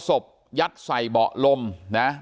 ศพยัดใส่เบาะลมนะ